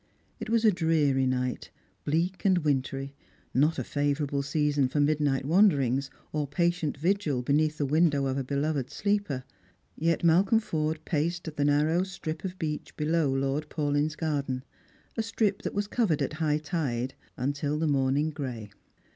It was a dreary night, bleak and wintry ; not a favourable season for midnight wanderings, or patient vigil beneath the window of a beloved sleeper ; yet Malcolm Forde paced the narrow strip of beach below Lord Paulyn's garden ; a strip that was covered at high tide, until the morning gray.